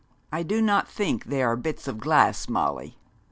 'I do not think they are bits of glass, Molly.'